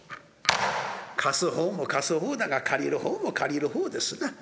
貸す方も貸す方だが借りる方も借りる方ですな。